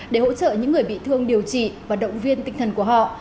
để hỗ trợ những người bị thương điều trị và động viên tinh thần của họ